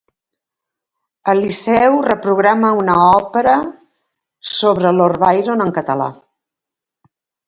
El Liceu reprograma una òpera sobre Lord Byron en català.